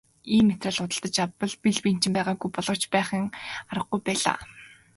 Ийм материал худалдаж авах бэл бэнчин байгаагүй боловч авахгүй байхын аргагүй байлаа.